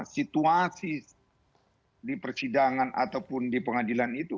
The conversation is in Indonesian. situasi di persidangan ataupun di pengadilan itu